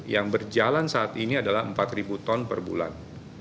yang berjalan saat ini adalah empat ton per bulan